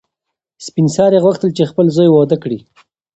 سپین سرې غوښتل چې خپل زوی واده کړي.